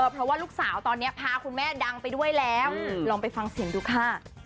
เพราะว่าลูกสาวตอนนี้พาคุณแม่ดังไปด้วยแล้วลองไปฟังเสียงดูค่ะ